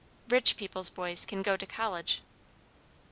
"Rich people's boys can go to college."